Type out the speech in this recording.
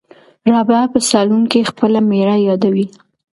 رابعه په صالون کې خپله مېړه یادوي.